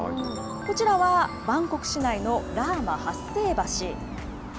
こちらはバンコク市内のラーマ８世橋。